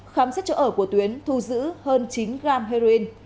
khám xét chỗ ở của tuyến thu giữ hơn chín gram heroin